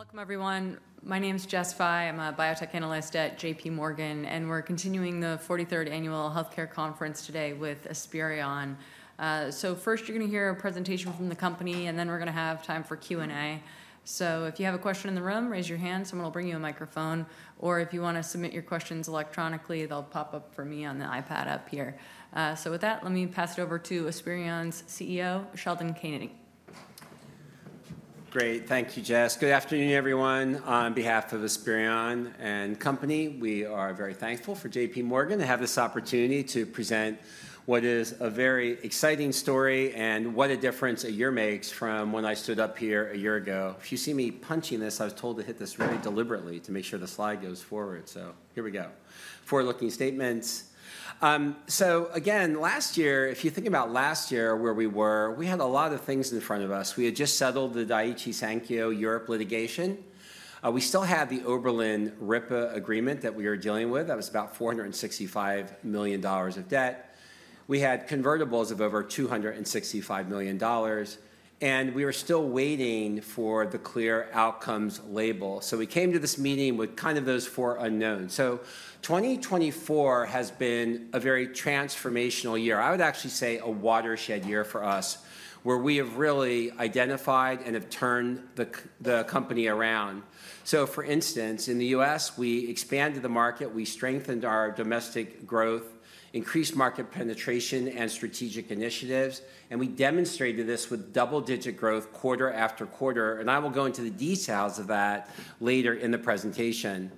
Welcome, everyone. My name is Jessica Fye. I'm a Biotech Analyst at JPMorgan, and we're continuing the 43rd Annual Healthcare Conference today with Esperion. So first, you're going to hear a presentation from the company, and then we're going to have time for Q&A. So if you have a question in the room, raise your hand. Someone will bring you a microphone. Or if you want to submit your questions electronically, they'll pop up for me on the iPad up here. So with that, let me pass it over to Esperion's CEO, Sheldon Koenig. Great. Thank you, Jess. Good afternoon, everyone. On behalf of Esperion and company, we are very thankful for JPMorgan to have this opportunity to present what is a very exciting story and what a difference a year makes from when I stood up here a year ago. If you see me punching this, I was told to hit this really deliberately to make sure the slide goes forward. So here we go. Forward-looking statements. So again, last year, if you think about last year where we were, we had a lot of things in front of us. We had just settled the Daiichi Sankyo Europe litigation. We still had the Oberland-RIPA agreement that we were dealing with. That was about $465 million of debt. We had convertibles of over $265 million. And we were still waiting for the CLEAR Outcomes label. So we came to this meeting with kind of those four unknowns. So 2024 has been a very transformational year. I would actually say a watershed year for us, where we have really identified and have turned the company around. So for instance, in the U.S., we expanded the market. We strengthened our domestic growth, increased market penetration, and strategic initiatives. And we demonstrated this with double-digit growth quarter after quarter. And I will go into the details of that later in the presentation.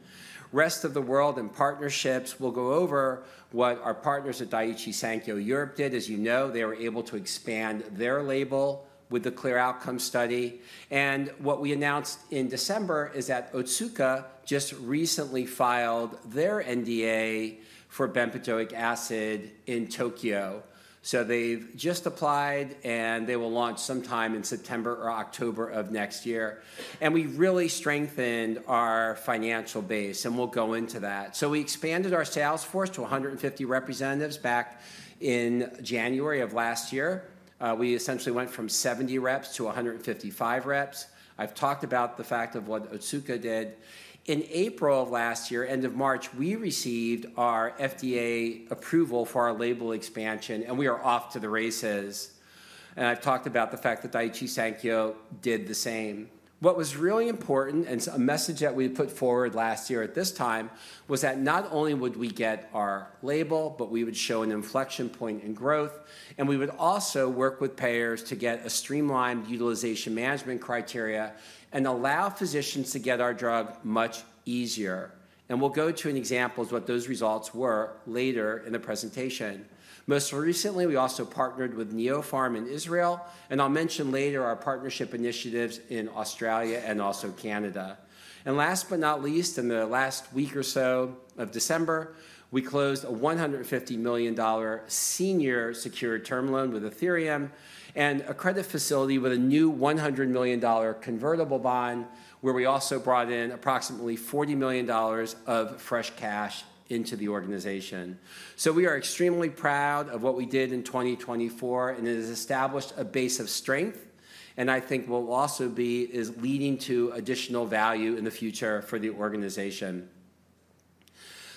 Rest of the world and partnerships, we'll go over what our partners at Daiichi Sankyo Europe did. As you know, they were able to expand their label with the CLEAR Outcomes study. And what we announced in December is that Otsuka just recently filed their NDA for Bempedoic acid in Tokyo. They've just applied, and they will launch sometime in September or October of next year. We really strengthened our financial base, and we'll go into that. We expanded our sales force to 150 representatives back in January of last year. We essentially went from 70 reps to 155 reps. I've talked about the fact of what Otsuka did. In April of last year, end of March, we received our FDA approval for our label expansion, and we are off to the races. I've talked about the fact that Daiichi Sankyo did the same. What was really important, and a message that we put forward last year at this time, was that not only would we get our label, but we would show an inflection point in growth. And we would also work with payers to get a streamlined utilization management criteria and allow physicians to get our drug much easier. And we'll go to an example of what those results were later in the presentation. Most recently, we also partnered with Neopharm in Israel. And I'll mention later our partnership initiatives in Australia and also Canada. And last but not least, in the last week or so of December, we closed a $150 million senior secured term loan with Athyrium and a credit facility with a new $100 million convertible bond, where we also brought in approximately $40 million of fresh cash into the organization. So we are extremely proud of what we did in 2024, and it has established a base of strength. And I think will also be leading to additional value in the future for the organization.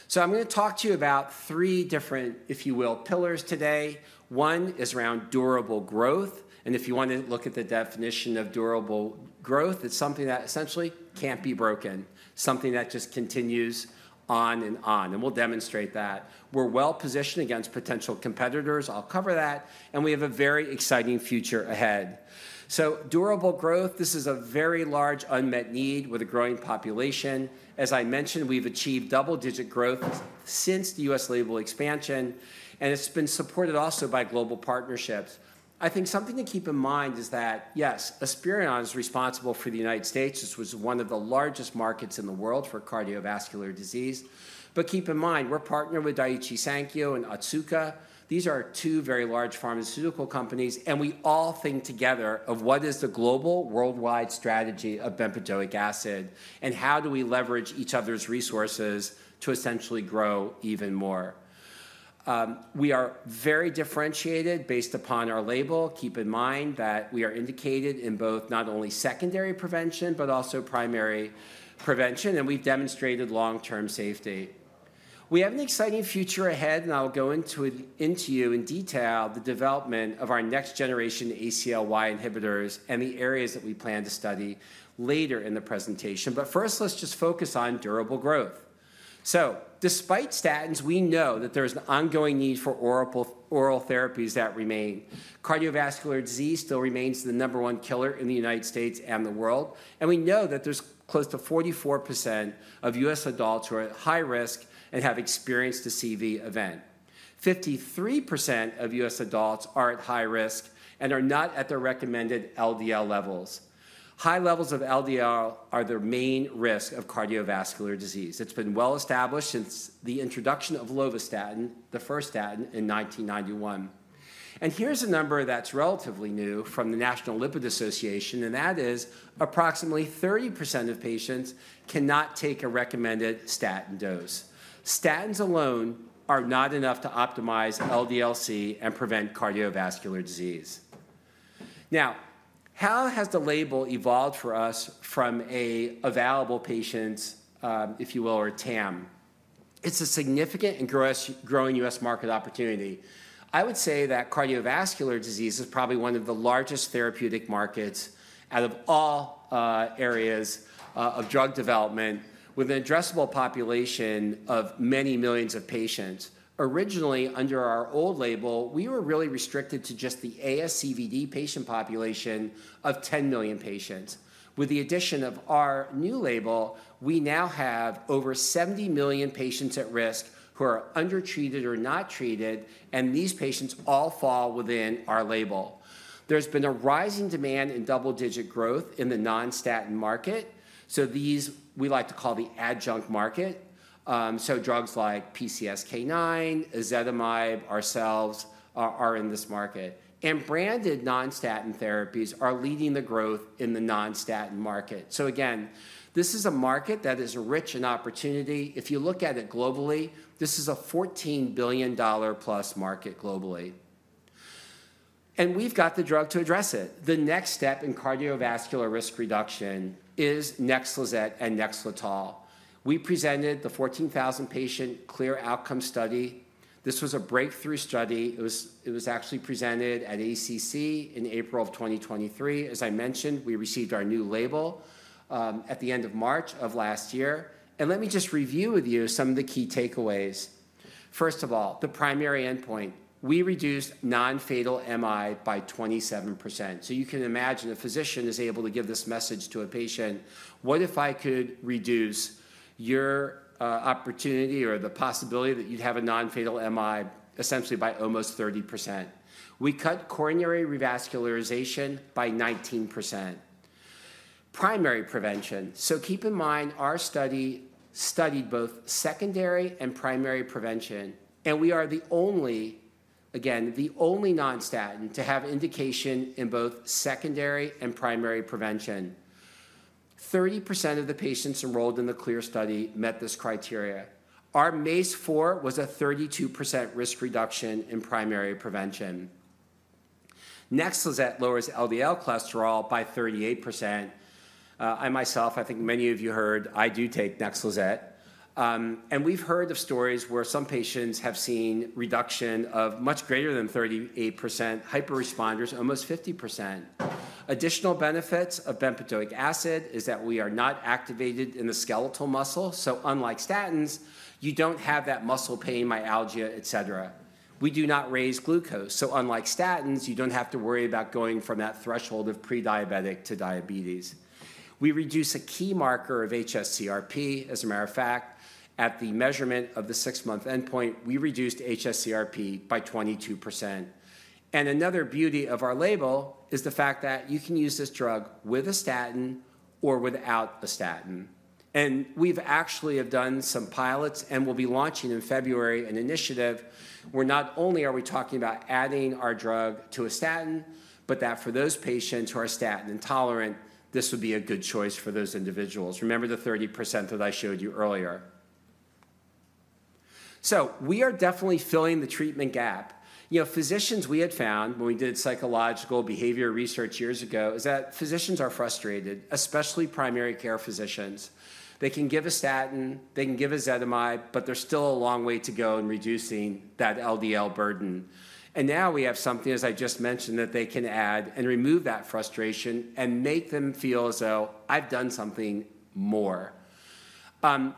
So I'm going to talk to you about three different, if you will, pillars today. One is around durable growth. And if you want to look at the definition of durable growth, it's something that essentially can't be broken, something that just continues on and on. And we'll demonstrate that. We're well positioned against potential competitors. I'll cover that. And we have a very exciting future ahead. So durable growth, this is a very large unmet need with a growing population. As I mentioned, we've achieved double-digit growth since the U.S. label expansion. And it's been supported also by global partnerships. I think something to keep in mind is that, yes, Esperion is responsible for the United States. This was one of the largest markets in the world for cardiovascular disease. But keep in mind, we're partnered with Daiichi Sankyo and Otsuka. These are two very large pharmaceutical companies. And we all think together of what is the global, worldwide strategy of Bempedoic acid, and how do we leverage each other's resources to essentially grow even more. We are very differentiated based upon our label. Keep in mind that we are indicated in both not only secondary prevention, but also primary prevention. And we've demonstrated long-term safety. We have an exciting future ahead. And I'll go into it in detail the development of our next-generation ACLY inhibitors and the areas that we plan to study later in the presentation. But first, let's just focus on durable growth. So despite statins, we know that there's an ongoing need for oral therapies that remain. Cardiovascular disease still remains the number one killer in the United States and the world. And we know that there's close to 44% of U.S. adults who are at high risk and have experienced a CV event. 53% of U.S. adults are at high risk and are not at their recommended LDL levels. High levels of LDL are the main risk of cardiovascular disease. It's been well established since the introduction of lovastatin, the first statin, in 1991, and here's a number that's relatively new from the National Lipid Association, and that is approximately 30% of patients cannot take a recommended Statin dose. Statins alone are not enough to optimize LDL-C and prevent cardiovascular disease. Now, how has the label evolved for us from an available patient, if you will, or a TAM? It's a significant and growing U.S. market opportunity. I would say that cardiovascular disease is probably one of the largest therapeutic markets out of all areas of drug development with an addressable population of many millions of patients. Originally, under our old label, we were really restricted to just the ASCVD patient population of 10 million patients. With the addition of our new label, we now have over 70 million patients at risk who are undertreated or not treated. And these patients all fall within our label. There's been a rising demand and double-digit growth in the non-statin market. So these, we like to call the adjunct market. So drugs like PCSK9, Ezetimibe, ourselves are in this market. And branded non-statin therapies are leading the growth in the non-statin market. So again, this is a market that is rich in opportunity. If you look at it globally, this is a $14 billion plus market globally. And we've got the drug to address it. The next step in cardiovascular risk reduction is NEXLIZET and NEXLETOL. We presented the 14,000-patient CLEAR Outcomes study. This was a breakthrough study. It was actually presented at ACC in April of 2023. As I mentioned, we received our new label at the end of March of last year, and let me just review with you some of the key takeaways. First of all, the primary endpoint. We reduced non-fatal MI by 27%. So you can imagine a physician is able to give this message to a patient, "What if I could reduce your opportunity or the possibility that you'd have a non-fatal MI essentially by almost 30%?" We cut coronary revascularization by 19%. Primary prevention. So keep in mind our study studied both secondary and primary prevention, and we are the only, again, the only non-statin to have indication in both secondary and primary prevention. 30% of the patients enrolled in the CLEAR study met this criteria. Our MACE-4 was a 32% risk reduction in primary prevention. NEXLIZET lowers LDL cholesterol by 38%. I myself, I think many of you heard, I do take NEXLIZET. And we've heard of stories where some patients have seen reduction of much greater than 38%, hyper-responders almost 50%. Additional benefits of Bempedoic acid is that we are not activated in the skeletal muscle. So unlike statins, you don't have that muscle pain, myalgia, et cetera. We do not raise glucose. So unlike statins, you don't have to worry about going from that threshold of prediabetic to diabetes. We reduce a key marker of hsCRP. As a matter of fact, at the measurement of the six-month endpoint, we reduced HSCRP by 22%. And another beauty of our label is the fact that you can use this drug with a statin or without a statin. And we've actually done some pilots and will be launching in February an initiative where not only are we talking about adding our drug to a statin, but that for those patients who are statin intolerant, this would be a good choice for those individuals. Remember the 30% that I showed you earlier. So we are definitely filling the treatment gap. Physicians, we had found when we did psychological behavior research years ago, is that physicians are frustrated, especially primary care physicians. They can give a statin, they can give ezetimibe, but there's still a long way to go in reducing that LDL burden. And now we have something, as I just mentioned, that they can add and remove that frustration and make them feel as though I've done something more.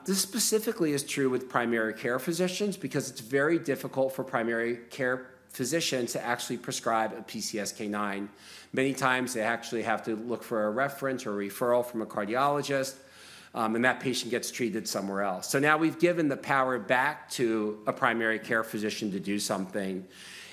This specifically is true with primary care physicians because it's very difficult for primary care physicians to actually prescribe a PCSK9. Many times, they actually have to look for a reference or a referral from a cardiologist, and that patient gets treated somewhere else. So now we've given the power back to a primary care physician to do something.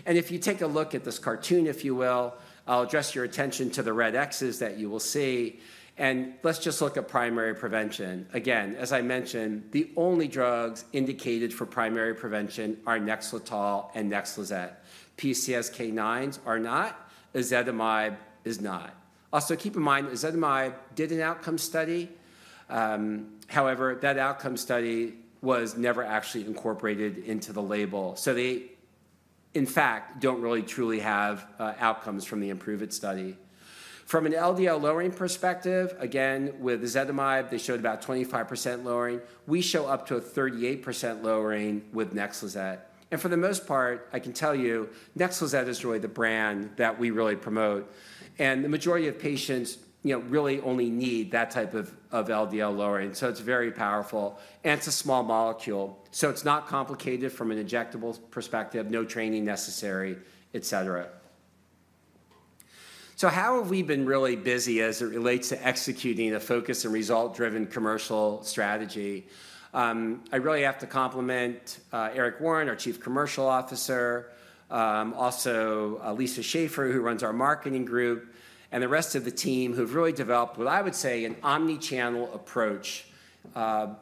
And if you take a look at this cartoon, if you will, I'll address your attention to the red X's that you will see. And let's just look at primary prevention. Again, as I mentioned, the only drugs indicated for primary prevention are NEXLETOL and NEXLIZET. PCSK9s are not, ezetimibe is not. Also, keep in mind, ezetimibe did an outcome study. However, that outcome study was never actually incorporated into the label. So they, in fact, don't really truly have outcomes from the IMPROVE-IT study. From an LDL lowering perspective, again, with ezetimibe, they showed about 25% lowering. We show up to a 38% lowering with NEXLIZET. And for the most part, I can tell you, NEXLIZET is really the brand that we really promote. And the majority of patients really only need that type of LDL lowering. So it's very powerful. And it's a small molecule. So it's not complicated from an injectable perspective, no training necessary, et cetera. So how have we been really busy as it relates to executing a focused and results-driven commercial strategy? I really have to compliment Eric Warren, our Chief Commercial Officer, also Lisa Schafer, who runs our marketing group, and the rest of the team who've really developed what I would say an omnichannel approach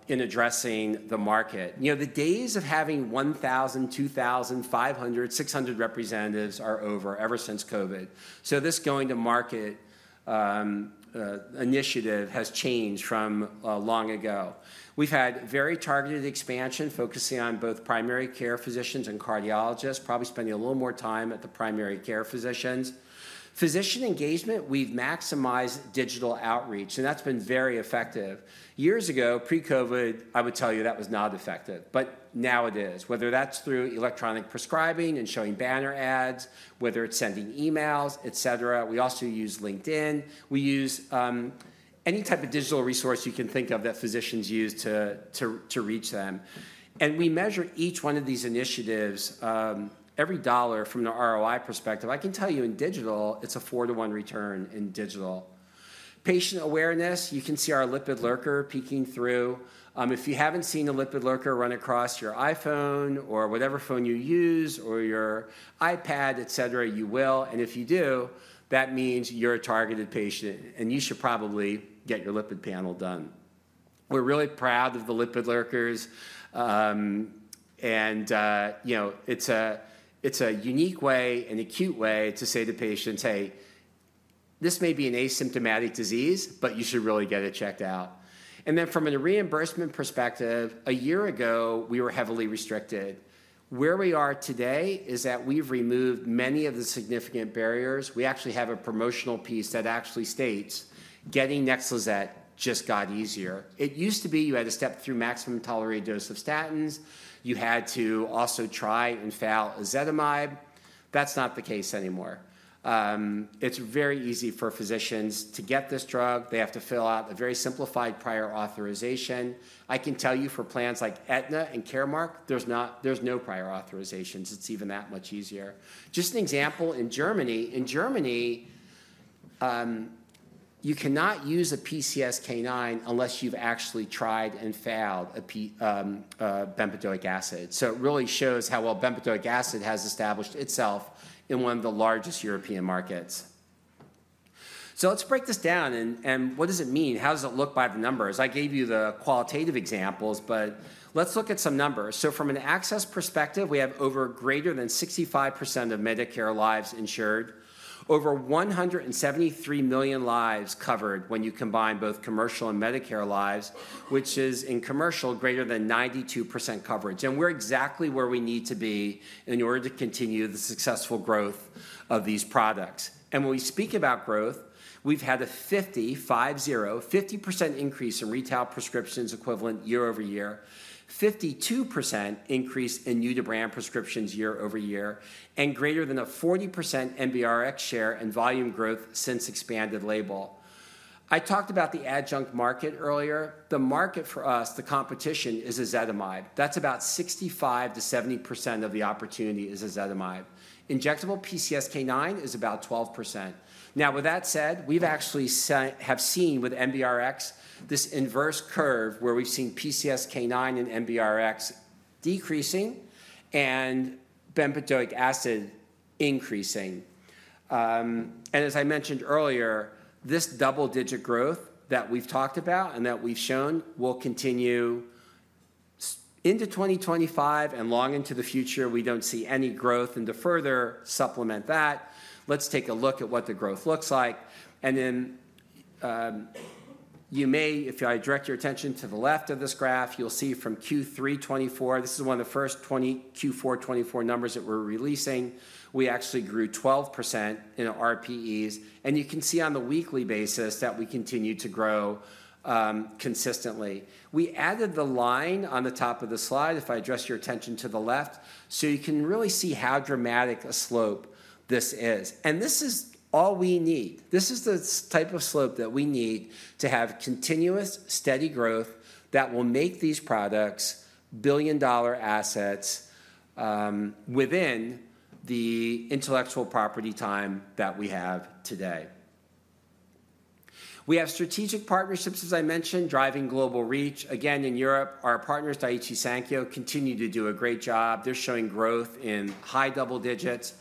in addressing the market. The days of having 1,000, 2,000, 500, 600 representatives are over ever since COVID. This go-to-market initiative has changed from long ago. We've had very targeted expansion focusing on both primary care physicians and cardiologists, probably spending a little more time at the primary care physicians. Physician engagement, we've maximized digital outreach. That's been very effective. Years ago, pre-COVID, I would tell you that was not effective. Now it is. Whether that's through electronic prescribing and showing banner ads, whether it's sending emails, et cetera. We also use LinkedIn. We use any type of digital resource you can think of that physicians use to reach them. We measure each one of these initiatives, every dollar from the ROI perspective. I can tell you in digital, it's a four-to-one return in digital. Patient awareness, you can see our Lipid Lurker peeking through. If you haven't seen a Lipid Lurker run across your iPhone or whatever phone you use or your iPad, et cetera, you will. And if you do, that means you're a targeted patient. And you should probably get your lipid panel done. We're really proud of the Lipid Lurkers. And it's a unique way, an acute way to say to patients, "Hey, this may be an asymptomatic disease, but you should really get it checked out." And then from a reimbursement perspective, a year ago, we were heavily restricted. Where we are today is that we've removed many of the significant barriers. We actually have a promotional piece that actually states, "Getting NEXLIZET just got easier." It used to be you had to step through maximum tolerated dose of statins. You had to also try and fail ezetimibe. That's not the case anymore. It's very easy for physicians to get this drug. They have to fill out a very simplified prior authorization. I can tell you for plans like Aetna and Caremark, there's no prior authorizations. It's even that much easier. Just an example in Germany. In Germany, you cannot use a PCSK9 unless you've actually tried and failed Bempedoic acid. So it really shows how well Bempedoic acid has established itself in one of the largest European markets. So let's break this down. And what does it mean? How does it look by the numbers? I gave you the qualitative examples, but let's look at some numbers. So from an access perspective, we have over greater than 65% of Medicare lives insured, over 173 million lives covered when you combine both commercial and Medicare lives, which is in commercial greater than 92% coverage. We're exactly where we need to be in order to continue the successful growth of these products. When we speak about growth, we've had a 50% increase in retail prescriptions equivalent year-over-year, 52% increase in new-to-brand prescriptions year-over-year, and greater than 40% NBRx share and volume growth since expanded label. I talked about the adjunct market earlier. The market for us, the competition, is ezetimibe. That's about 65%-70% of the opportunity is ezetimibe. Injectable PCSK9 is about 12%. Now, with that said, we've actually seen with NBRx this inverse curve where we've seen PCSK9 and NBRx decreasing and Bempedoic acid increasing. As I mentioned earlier, this double-digit growth that we've talked about and that we've shown will continue into 2025 and long into the future. We don't see any growth. To further supplement that, let's take a look at what the growth looks like. Then you may, if I direct your attention to the left of this graph, you'll see from Q3 2024, this is one of the first Q4 2024 numbers that we're releasing, we actually grew 12% in RPEs. You can see on the weekly basis that we continue to grow consistently. We added the line on the top of the slide, if I address your attention to the left, so you can really see how dramatic a slope this is. This is all we need. This is the type of slope that we need to have continuous steady growth that will make these products billion-dollar assets within the intellectual property time that we have today. We have strategic partnerships, as I mentioned, driving global reach. Again, in Europe, our partners, Daiichi Sankyo, continue to do a great job. They're showing growth in high double digits.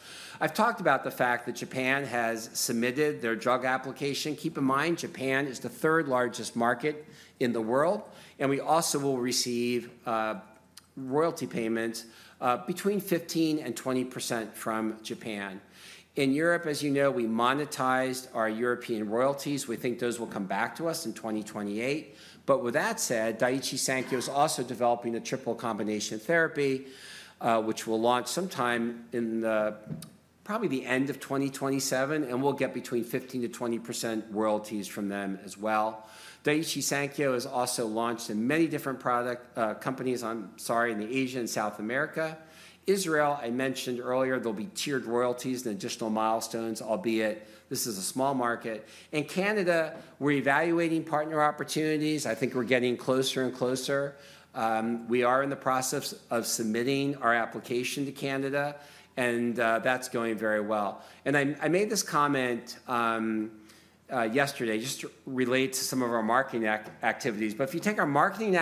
I've talked about the fact that Japan has submitted their drug application. Keep in mind, Japan is the third largest market in the world. And we also will receive royalty payments between 15%-20% from Japan. In Europe, as you know, we monetized our European royalties. We think those will come back to us in 2028. But with that said, Daiichi Sankyo is also developing the triple combination therapy, which will launch sometime in probably the end of 2027. And we'll get between 15%-20% royalties from them as well. Daiichi Sankyo has also launched in many different companies, I'm sorry, in Asia and South America. Israel, I mentioned earlier, there'll be tiered royalties and additional milestones, albeit this is a small market. In Canada, we're evaluating partner opportunities. I think we're getting closer and closer. We are in the process of submitting our application to Canada. And that's going very well. And I made this comment yesterday just to relate to some of our marketing activities. But if you take our marketing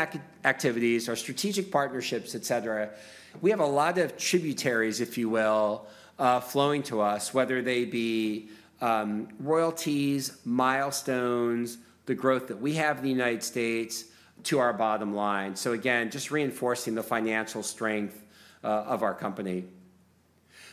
activities, our strategic partnerships, et cetera, we have a lot of tributaries, if you will, flowing to us, whether they be royalties, milestones, the growth that we have in the United States to our bottom line. So again, just reinforcing the financial strength of our company.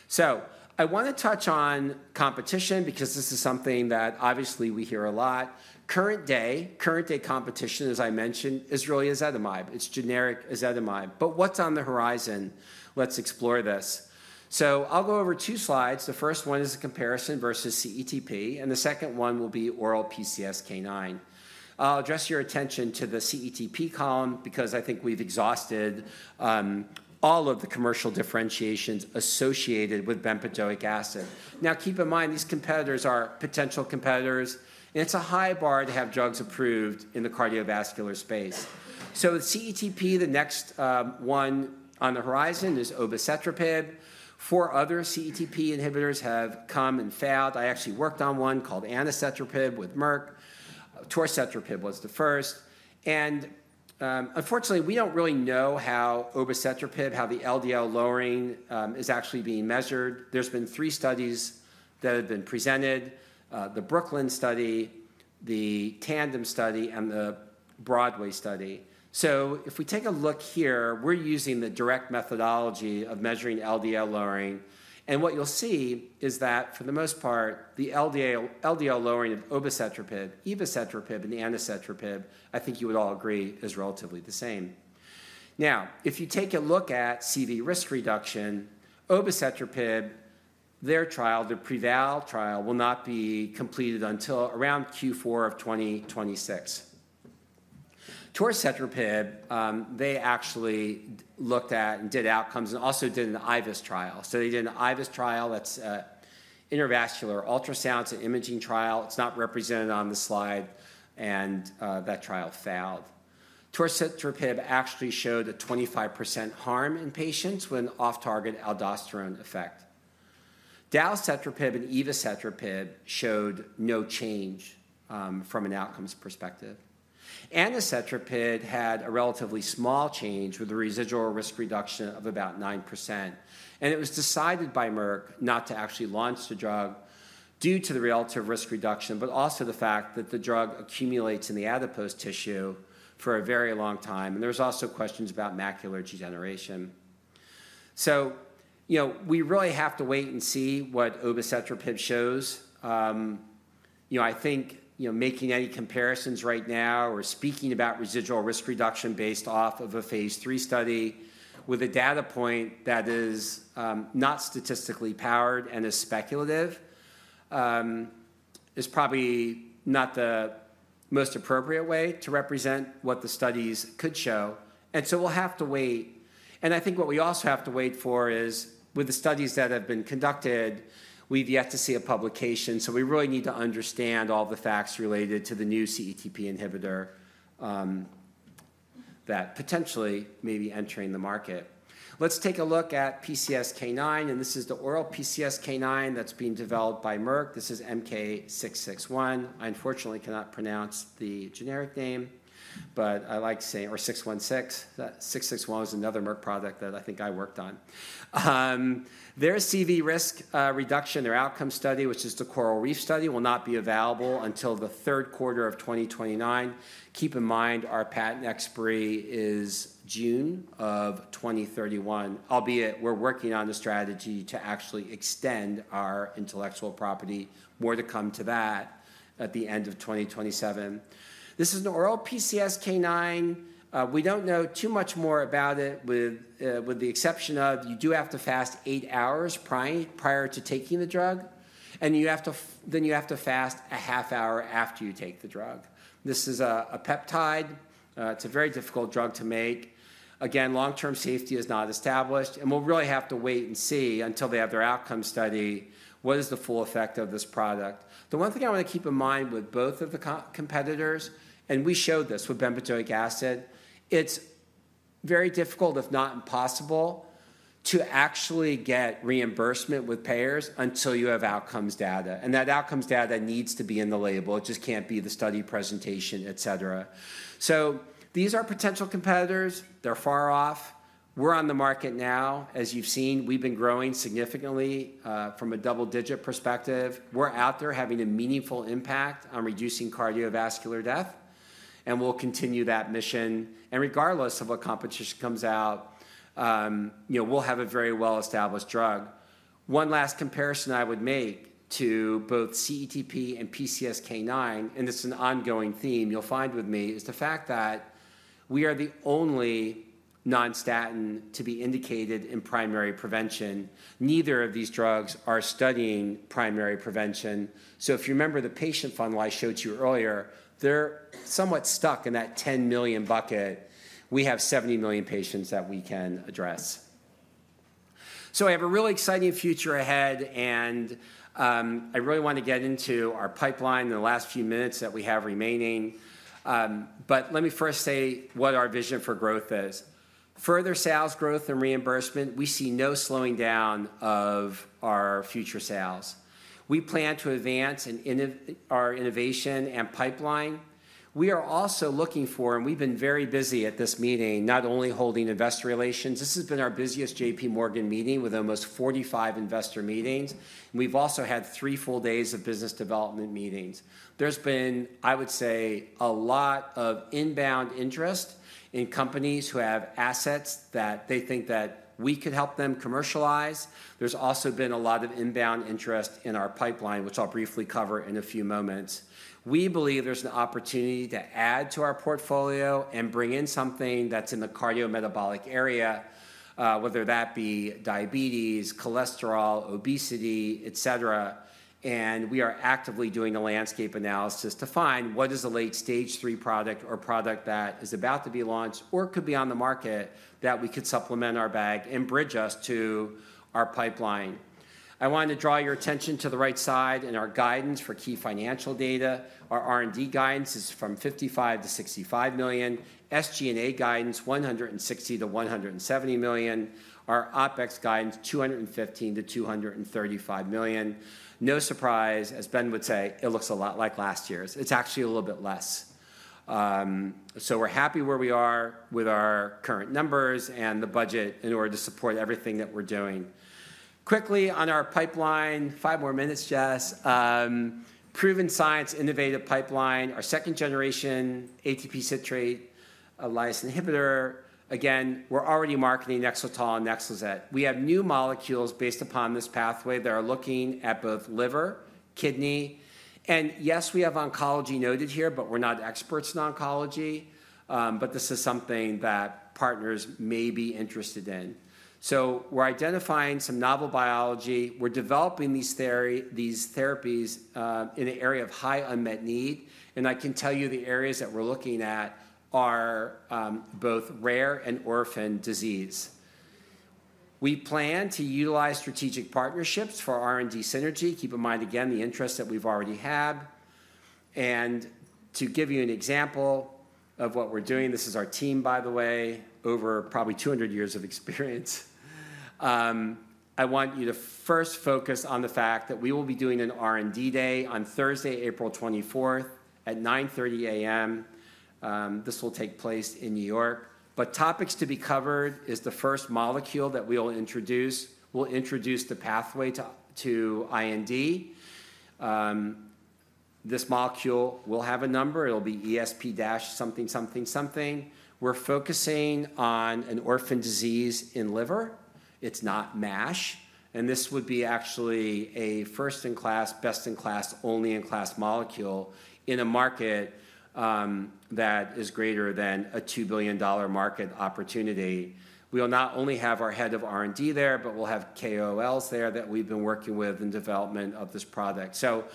So I want to touch on competition because this is something that obviously we hear a lot. Current-day competition, as I mentioned, is really ezetimibe. It's generic ezetimibe. But what's on the horizon? Let's explore this. So I'll go over two slides. The first one is a comparison versus CETP. The second one will be oral PCSK9. I'll address your attention to the CETP column because I think we've exhausted all of the commercial differentiations associated with Bempedoic acid. Now, keep in mind, these competitors are potential competitors. It's a high bar to have drugs approved in the cardiovascular space. CETP, the next one on the horizon is Obicetrapib. Four other CETP inhibitors have come and failed. I actually worked on one called Anacetrapib with Merck. Torcetrapib was the first. Unfortunately, we don't really know how Obicetrapib, how the LDL lowering is actually being measured. There have been three studies that have been presented: the Brooklyn study, the Tandem study, and the Broadway study. If we take a look here, we're using the direct methodology of measuring LDL lowering. And what you'll see is that for the most part, the LDL lowering of Obicetrapib, Evacetrapib, and Anacetrapib, I think you would all agree is relatively the same. Now, if you take a look at CV risk reduction, Obicetrapib, their trial, the PREVAIL trial, will not be completed until around Q4 of 2026. Torcetrapib, they actually looked at and did outcomes and also did an IVUS trial. So they did an IVUS trial. That's an intravascular ultrasound imaging trial. It's not represented on the slide. And that trial failed. Torcetrapib actually showed a 25% harm in patients with an off-target aldosterone effect. Dalcetrapib and Evacetrapib showed no change from an outcomes perspective. Anacetrapib had a relatively small change with a residual risk reduction of about 9%. It was decided by Merck not to actually launch the drug due to the relative risk reduction, but also the fact that the drug accumulates in the adipose tissue for a very long time. There's also questions about macular degeneration. We really have to wait and see what Obicetrapib shows. I think making any comparisons right now or speaking about residual risk reduction based off of a phase three study with a data point that is not statistically powered and is speculative is probably not the most appropriate way to represent what the studies could show. We'll have to wait. I think what we also have to wait for is with the studies that have been conducted, we've yet to see a publication. So we really need to understand all the facts related to the new CETP inhibitor that potentially may be entering the market. Let's take a look at PCSK9. And this is the oral PCSK9 that's being developed by Merck. This is MK-0616. I unfortunately cannot pronounce the generic name, but I like saying or 616. 661 was another Merck product that I think I worked on. Their CV risk reduction, their outcome study, which is the Coral Reef study, will not be available until the Q3 of 2029. Keep in mind, our patent expiry is June of 2031, albeit we're working on the strategy to actually extend our intellectual property more to come to that at the end of 2027. This is an oral PCSK9. We don't know too much more about it with the exception of you do have to fast eight hours prior to taking the drug. And then you have to fast a half hour after you take the drug. This is a peptide. It's a very difficult drug to make. Again, long-term safety is not established. And we'll really have to wait and see until they have their outcome study what is the full effect of this product. The one thing I want to keep in mind with both of the competitors, and we showed this with Bempedoic acid, it's very difficult, if not impossible, to actually get reimbursement with payers until you have outcomes data. And that outcomes data needs to be in the label. It just can't be the study presentation, et cetera. So these are potential competitors. They're far off. We're on the market now. As you've seen, we've been growing significantly from a double-digit perspective. We're out there having a meaningful impact on reducing cardiovascular death. And we'll continue that mission. And regardless of what competition comes out, we'll have a very well-established drug. One last comparison I would make to both CETP and PCSK9, and it's an ongoing theme you'll find with me, is the fact that we are the only non-statin to be indicated in primary prevention. Neither of these drugs are studying primary prevention. So if you remember the patient funnel I showed you earlier, they're somewhat stuck in that 10 million bucket. We have 70 million patients that we can address. So I have a really exciting future ahead. And I really want to get into our pipeline in the last few minutes that we have remaining. But let me first say what our vision for growth is. Further sales growth and reimbursement. We see no slowing down of our future sales. We plan to advance our innovation and pipeline. We are also looking for, and we've been very busy at this meeting, not only holding investor relations. This has been our busiest JPMorgan meeting with almost 45 investor meetings, and we've also had three full days of business development meetings. There's been, I would say, a lot of inbound interest in companies who have assets that they think that we could help them commercialize. There's also been a lot of inbound interest in our pipeline, which I'll briefly cover in a few moments. We believe there's an opportunity to add to our portfolio and bring in something that's in the cardiometabolic area, whether that be diabetes, cholesterol, obesity, et cetera. We are actively doing a landscape analysis to find what is a late-stage three product or product that is about to be launched or could be on the market that we could supplement our bag and bridge us to our pipeline. I wanted to draw your attention to the right side in our guidance for key financial data. Our R&D guidance is $55 million-$65 million. SG&A guidance, $160 million-$170 million. Our OpEx guidance, $215 million-$235 million. No surprise, as Ben would say, it looks a lot like last year's. It's actually a little bit less. So we're happy where we are with our current numbers and the budget in order to support everything that we're doing. Quickly on our pipeline, five more minutes, Jess. Proven science, innovative pipeline. Our second-generation ATP citrate lyase inhibitor. Again, we're already marketing NEXLETOL and NEXLIZET. We have new molecules based upon this pathway that are looking at both liver, kidney, and yes, we have oncology noted here, but we're not experts in oncology, but this is something that partners may be interested in, so we're identifying some novel biology. We're developing these therapies in the area of high unmet need, and I can tell you the areas that we're looking at are both rare and orphan disease. We plan to utilize strategic partnerships for R&D synergy. Keep in mind, again, the interest that we've already had, and to give you an example of what we're doing, this is our team, by the way, over probably 200 years of experience. I want you to first focus on the fact that we will be doing an R&D day on Thursday, April 24th at 9:30 A.M. This will take place in New York. But topics to be covered is the first molecule that we'll introduce. We'll introduce the pathway to IND. This molecule will have a number. It'll be ESP dash something, something, something. We're focusing on an orphan disease in liver. It's not MASH. And this would be actually a first-in-class, best-in-class, only-in-class molecule in a market that is greater than a $2 billion market opportunity. We will not only have our head of R&D there, but we'll have KOLs there that we've been working with in development of this product. So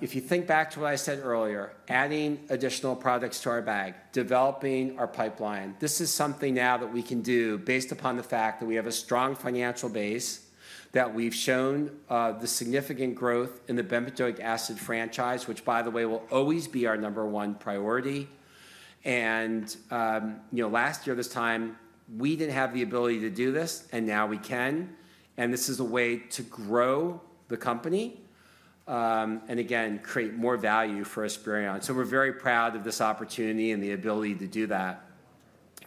if you think back to what I said earlier, adding additional products to our bag, developing our pipeline, this is something now that we can do based upon the fact that we have a strong financial base that we've shown the significant growth in the Bempedoic acid franchise, which, by the way, will always be our number one priority. And last year, this time, we didn't have the ability to do this, and now we can. And this is a way to grow the company and, again, create more value for Esperion. So we're very proud of this opportunity and the ability to do that.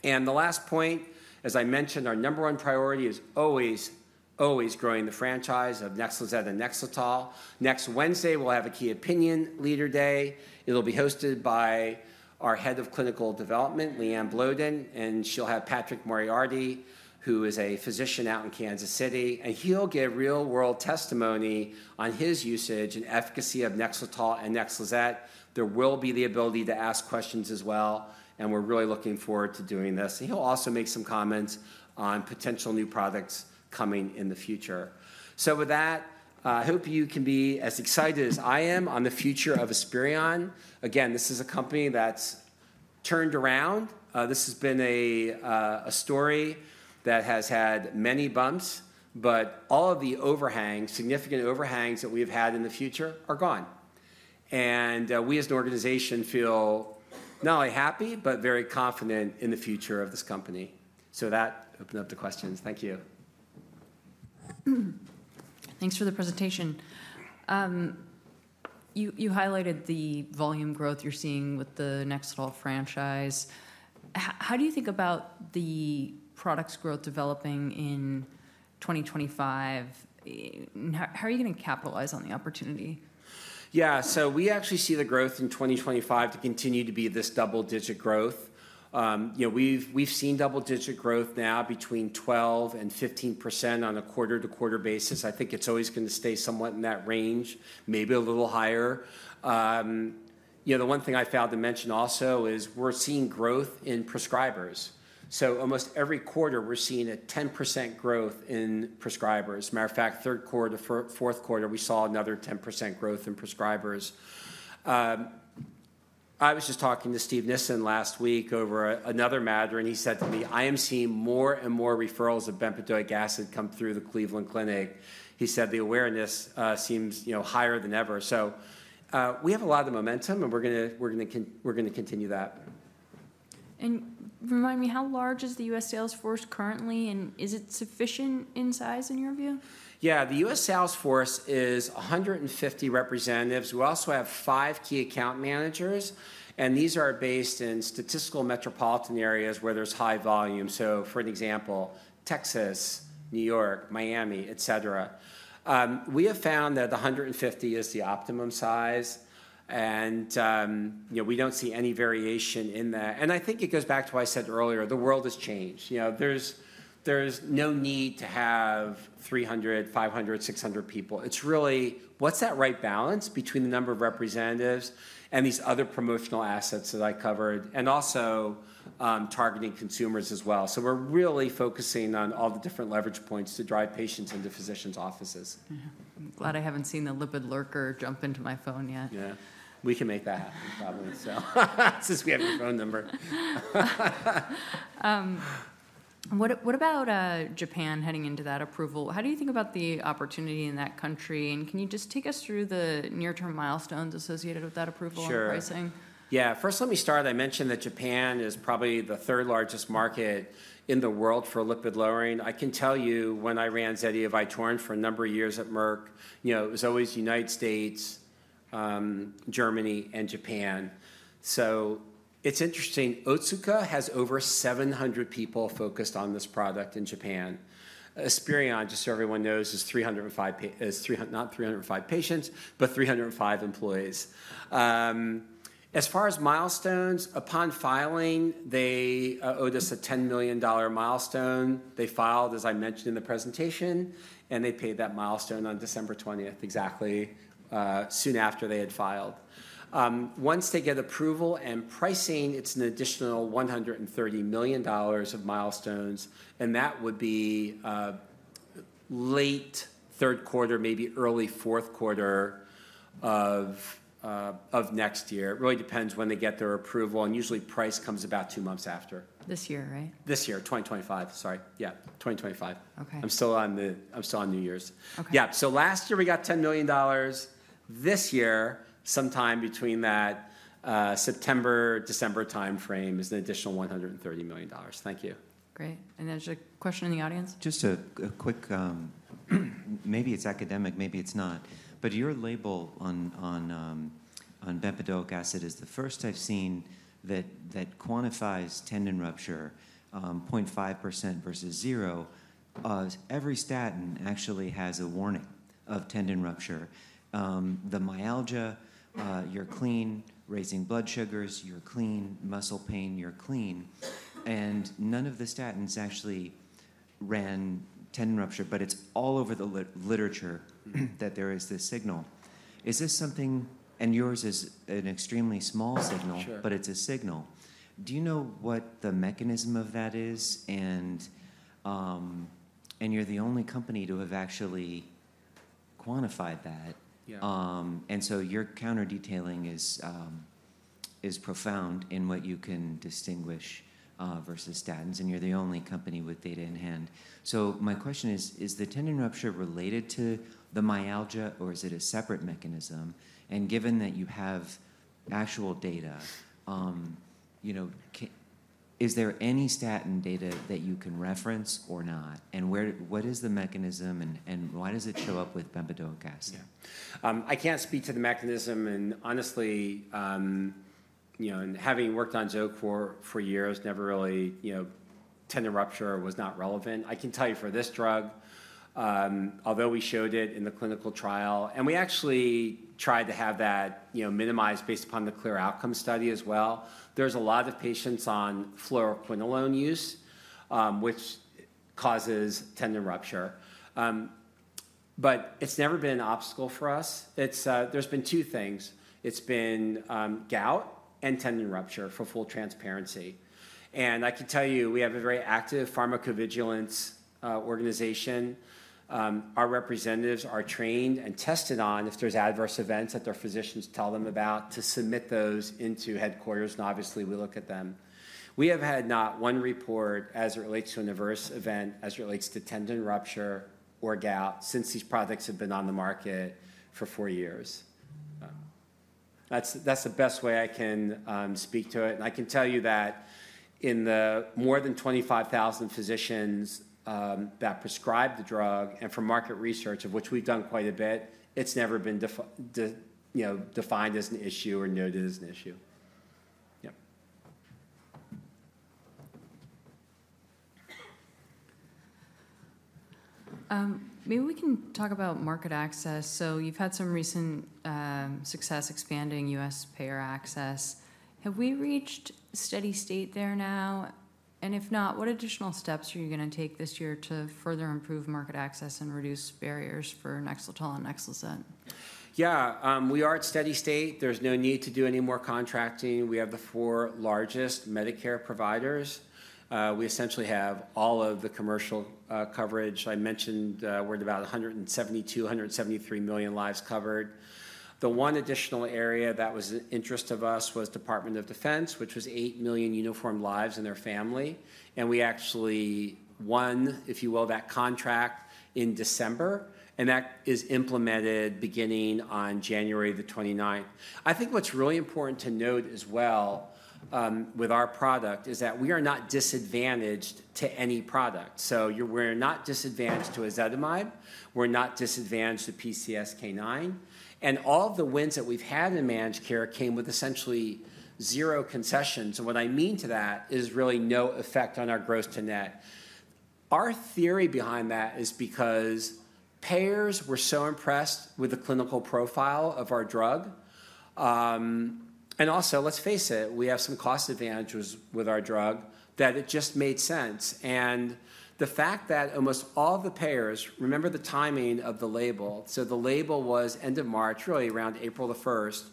And the last point, as I mentioned, our number one priority is always, always growing the franchise of NEXLIZET and NEXLETOL. Next Wednesday, we'll have a key opinion leader day. It'll be hosted by our head of clinical development, Liane Bloden. And she'll have Patrick Moriarty, who is a physician out in Kansas City. And he'll give real-world testimony on his usage and efficacy of NEXLETOL and NEXLIZET. There will be the ability to ask questions as well. And we're really looking forward to doing this. And he'll also make some comments on potential new products coming in the future. So with that, I hope you can be as excited as I am on the future of Esperion. Again, this is a company that's turned around. This has been a story that has had many bumps. But all of the overhangs, significant overhangs that we've had in the future are gone. And we, as an organization, feel not only happy, but very confident in the future of this company. So that opened up the questions. Thank you. Thanks for the presentation. You highlighted the volume growth you're seeing with the NEXLETOL franchise. How do you think about the product's growth developing in 2025? How are you going to capitalize on the opportunity? Yeah. So we actually see the growth in 2025 to continue to be this double-digit growth. We've seen double-digit growth now between 12%-15% on a quarter-to-quarter basis. I think it's always going to stay somewhat in that range, maybe a little higher. The one thing I failed to mention also is we're seeing growth in prescribers. So almost every quarter, we're seeing a 10% growth in prescribers. As a matter of fact, Q3, Q4, we saw another 10% growth in prescribers. I was just talking to Steve Nissen last week over another matter. And he said to me, "I am seeing more and more referrals of Bempedoic acid come through the Cleveland Clinic." He said the awareness seems higher than ever. So we have a lot of momentum, and we're going to continue that. And remind me, how large is the U.S. sales force currently? And is it sufficient in size, in your view? Yeah. The U.S. sales force is 150 representatives. We also have five key account managers. These are based in statistical metropolitan areas where there's high volume. So, for an example, Texas, New York, Miami, etc. We have found that 150 is the optimum size. And we don't see any variation in that. And I think it goes back to what I said earlier. The world has changed. There's no need to have 300, 500, 600 people. It's really what's that right balance between the number of representatives and these other promotional assets that I covered and also targeting consumers as well. So we're really focusing on all the different leverage points to drive patients into physicians' offices. I'm glad I haven't seen the lipid lurker jump into my phone yet. Yeah. We can make that happen, probably, since we have your phone number. What about Japan heading into that approval? How do you think about the opportunity in that country? And can you just take us through the near-term milestones associated with that approval and pricing? Sure. Yeah. First, let me start. I mentioned that Japan is probably the third largest market in the world for lipid lowering. I can tell you when I ran ZETIA and VYTORIN for a number of years at Merck, it was always United States, Germany, and Japan. So it's interesting. Otsuka has over 700 people focused on this product in Japan. Esperion, just so everyone knows, is not 305 patients, but 305 employees. As far as milestones, upon filing, they owed us a $10 million milestone. They filed, as I mentioned in the presentation, and they paid that milestone on December 20th exactly soon after they had filed. Once they get approval and pricing, it's an additional $130 million of milestones. That would be late Q3, maybe early Q4 of next year. It really depends when they get their approval. And usually, price comes about two months after. This year, right? This year, 2025. Sorry. Yeah, 2025. I'm still on New Year's. Yeah. So last year, we got $10 million. This year, sometime between that September, December timeframe is an additional $130 million. Thank you. Great. And there's a question in the audience? Just a quick. Maybe it's academic, maybe it's not. But your label on Bempedoic acid is the first I've seen that quantifies tendon rupture, 0.5% versus 0%. Every statin actually has a warning of tendon rupture. The myalgia, you're clean, raising blood sugars, you're clean, muscle pain, you're clean. And none of the statins actually ran tendon rupture, but it's all over the literature that there is this signal. Yours is an extremely small signal, but it's a signal. Do you know what the mechanism of that is? You're the only company to have actually quantified that. So your counter-detailing is profound in what you can distinguish versus statins. You're the only company with data in hand. My question is, is the tendon rupture related to the myalgia, or is it a separate mechanism? Given that you have actual data, is there any statin data that you can reference or not? What is the mechanism, and why does it show up with Bempedoic acid? Yeah. I can't speak to the mechanism. Honestly, having worked on Zocor for years, never really tendon rupture was not relevant. I can tell you for this drug, although we showed it in the clinical trial, and we actually tried to have that minimized based upon the CLEAR Outcomes study as well, there's a lot of patients on Fluoroquinolone use, which causes tendon rupture. But it's never been an obstacle for us. There's been two things. It's been gout and tendon rupture, for full transparency. And I can tell you, we have a very active Pharmacovigilance Organization. Our representatives are trained and tested on if there's adverse events that their physicians tell them about to submit those into headquarters. And obviously, we look at them. We have had not one report as it relates to an adverse event as it relates to tendon rupture or gout since these products have been on the market for four years. That's the best way I can speak to it. I can tell you that in the more than 25,000 physicians that prescribe the drug and from market research, of which we've done quite a bit, it's never been defined as an issue or noted as an issue. Yep. Maybe we can talk about market access. You've had some recent success expanding U.S. payer access. Have we reached steady state there now? And if not, what additional steps are you going to take this year to further improve market access and reduce barriers for NEXLETOL and NEXLIZET? Yeah. We are at steady state. There's no need to do any more contracting. We have the four largest Medicare providers. We essentially have all of the commercial coverage. I mentioned we're at about 172-173 million lives covered. The one additional area that was of interest to us was Department of Defense, which was eight million uniformed lives and their family, and we actually won, if you will, that contract in December, and that is implemented beginning on January the 29th. I think what's really important to note as well with our product is that we are not disadvantaged to any product, so we're not disadvantaged to ezetimibe, we're not disadvantaged to PCSK9, and all of the wins that we've had in managed care came with essentially zero concessions, and what I mean to that is really no effect on our gross to net. Our theory behind that is because payers were so impressed with the clinical profile of our drug, and also, let's face it, we have some cost advantages with our drug that it just made sense. And the fact that almost all the payers remember the timing of the label. So the label was end of March, really around April the 1st.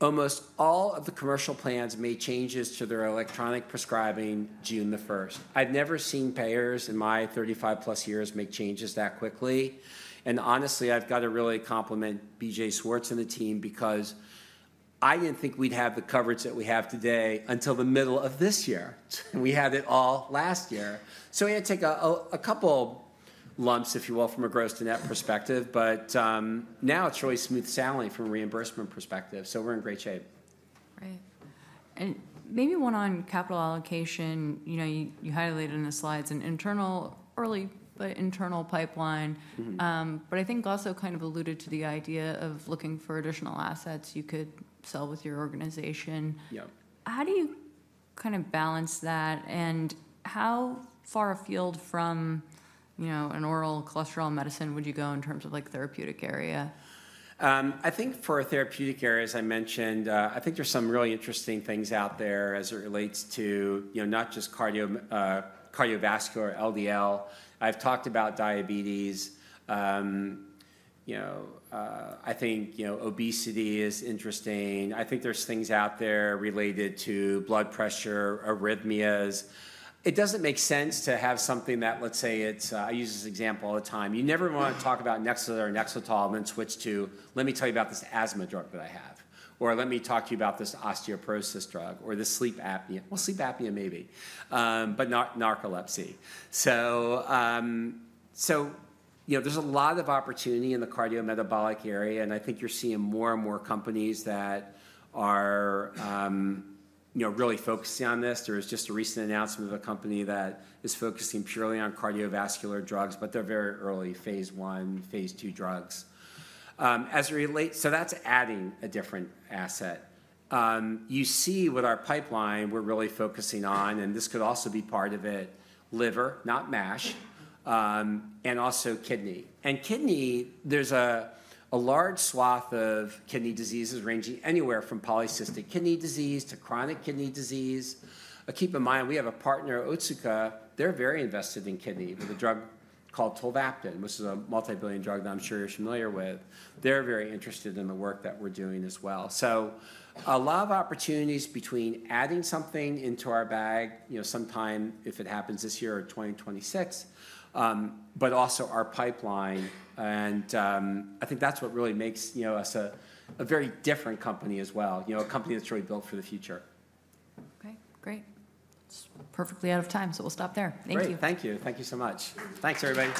Almost all of the commercial plans made changes to their electronic prescribing June the 1st. I've never seen payers in my 35+ years make changes that quickly. And honestly, I've got to really compliment BJ Swartz and the team because I didn't think we'd have the coverage that we have today until the middle of this year. We had it all last year. So we had to take a couple lumps, if you will, from a gross-to-net perspective. But now, it's really smooth sailing from a reimbursement perspective. So we're in great shape. Right. And maybe one on capital allocation. You highlighted in the slides an internal, early, but internal pipeline. But I think also kind of alluded to the idea of looking for additional assets you could sell with your organization. How do you kind of balance that? And how far afield from an oral cholesterol medicine would you go in terms of therapeutic area? I think for therapeutic area, as I mentioned, I think there's some really interesting things out there as it relates to not just cardiovascular LDL. I've talked about diabetes. I think obesity is interesting. I think there's things out there related to blood pressure, arrhythmias. It doesn't make sense to have something that, let's say, I use this example all the time. You never want to talk about NEXLIZET or NEXLETOL and then switch to, "Let me tell you about this asthma drug that I have," or, "Let me talk to you about this osteoporosis drug," or this sleep apnea. Sleep apnea maybe, but not narcolepsy. There's a lot of opportunity in the cardiometabolic area. I think you're seeing more and more companies that are really focusing on this. There was just a recent announcement of a company that is focusing purely on cardiovascular drugs, but they're very early phase one, phase two drugs. That's adding a different asset. You see with our pipeline, we're really focusing on, and this could also be part of it, liver, not mash, and also kidney. Kidney, there's a large swath of kidney diseases ranging anywhere from polycystic kidney disease to chronic kidney disease. Keep in mind, we have a partner, Otsuka. They're very invested in kidney with a drug called Tolvaptan, which is a multi-billion drug that I'm sure you're familiar with. They're very interested in the work that we're doing as well. So a lot of opportunities between adding something into our bag sometime, if it happens this year or 2026, but also our pipeline. And I think that's what really makes us a very different company as well, a company that's really built for the future. Okay. Great. It's perfectly out of time, so we'll stop there. Thank you. Great. Thank you. Thank you so much. Thanks, everybody.